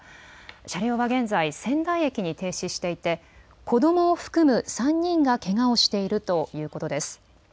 車両は現在、仙台駅に停止していて子どもを含む３人がけがをしているということです。